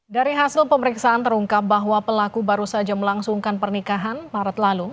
dari hasil pemeriksaan terungkap bahwa pelaku baru saja melangsungkan pernikahan maret lalu